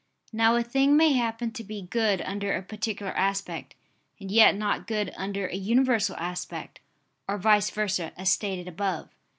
Now a thing may happen to be good under a particular aspect, and yet not good under a universal aspect, or vice versa, as stated above.